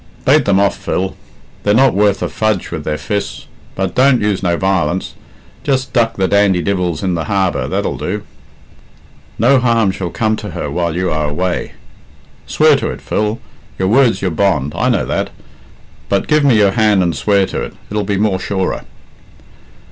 Bate them off, Phil. They're not worth a fudge with their fists. But don't use no violence. Just duck the dandy divils in the harbour that'll do." "No harm shall come to her while you are away." "Swear to it, Phil. Your word's your bond, I know that; but give me your hand and swear to it it'll be more surer."